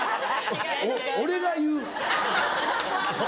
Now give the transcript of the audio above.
俺が言う。